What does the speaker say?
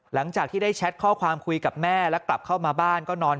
หลังจากที่ได้แชทข้อความคุยกับแม่แล้วกลับเข้ามาบ้านก็นอน